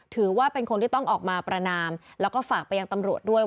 ถือว่าเป็นคนที่ต้องออกมาประนามแล้วก็ฝากไปยังตำรวจด้วย